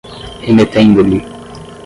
remetendo-lhe